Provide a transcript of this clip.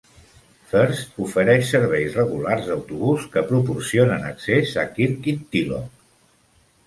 First ofereix serveis regulars d'autobús que proporcionen accés a Kirkintilloch.